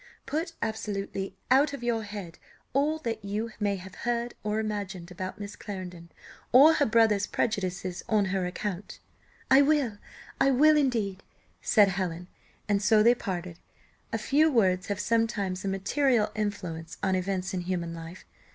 Put absolutely out of your head all that you may have heard or imagined about Miss Clarendon, or her brother's prejudices on her account." "I will I will indeed," said Helen, and so they parted. A few words have sometimes a material influence on events in human life.